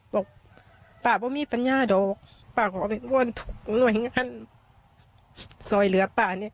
บอกป้าไม่มีปัญญาโดกป้าเขาเอาไปวนทุกหน่วยงานซอยเหลือป้าเนี้ย